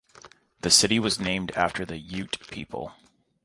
The city was named after the Ute people.